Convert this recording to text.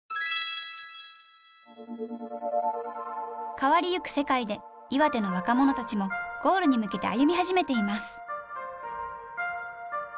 変わりゆく世界で岩手の若者たちもゴールに向けて歩み始めています。